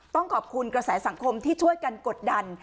ต้องขอบคุณกระแสสังคมที่ช่วยกันกดดัน